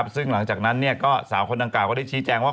ซึ่งหลังจากนั้นสาวคนดังกล่าก็ได้ชี้แจงว่า